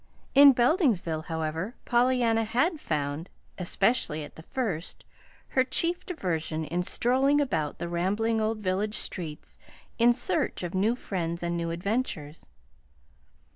In Beldingsville, however, Pollyanna had found especially at the first her chief diversion in strolling about the rambling old village streets in search of new friends and new adventures.